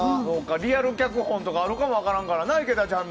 リアル脚本とかあるかも分からんからな、池田ちゃんの。